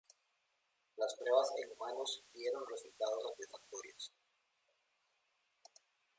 Las pruebas en humanos dieron resultados satisfactorios.